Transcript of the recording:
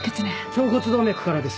腸骨動脈からです。